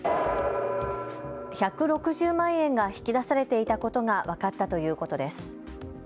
１６０万円が引き出されていたことが分かったということです。